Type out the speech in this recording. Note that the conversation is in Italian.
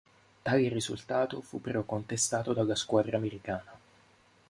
Tale risultato fu però contestato dalla squadra americana.